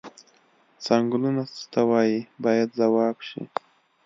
څنګلونه څه ته وایي باید ځواب شي.